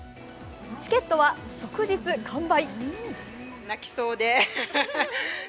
チケットは即日完売。